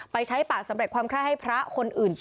ใช้ปากสำเร็จความไคร้ให้พระคนอื่น